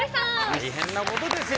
大変なことですよ